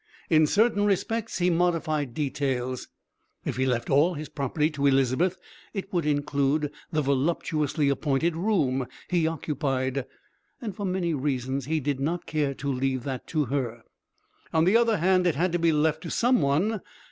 In certain respects he modified details. If he left all his property to Elizabeth it would include the voluptuously appointed room he occupied, and for many reasons he did not care to leave that to her. On the other hand, it had to be left to some one.